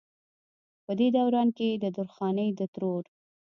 پۀ دې دوران کښې د درخانۍ د ترور